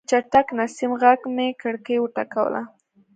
د چټک نسیم غږ مې کړکۍ وټکوله.